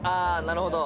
なるほど。